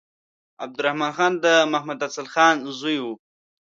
عبدالرحمن خان د محمد افضل خان زوی وو.